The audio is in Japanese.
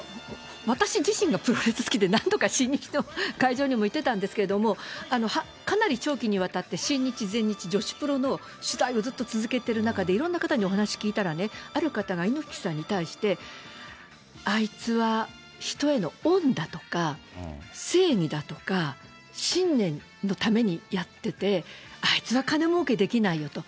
私自身がプロレス好きで、なんとか新日の会場にも行ってたんですけども、かなり長期にわたって、新日、全日、女子プロの取材をずっと続けてる中で、いろんな方にお話聞いたらね、ある方は猪木さんに対して、あいつは人への恩だとか、正義だとか、信念のためにやってて、あいつは金もうけできないよと。